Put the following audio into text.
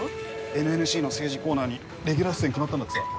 「ＮＮＣ」の政治コーナーにレギュラー出演決まったんだってさ。